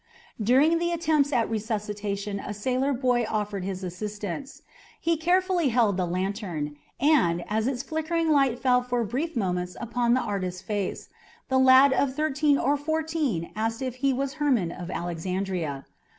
During the attempts at resuscitation a sailor boy offered his assistance. He carefully held the lantern, and, as its flickering light fell for brief moments upon the artist's face, the lad of thirteen or fourteen asked if he was Hermon of Alexandria.